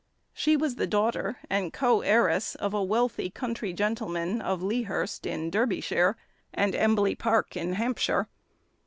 She was the daughter and co heiress of a wealthy country gentleman of Lea Hurst in Derbyshire, and Embly Park in Hampshire.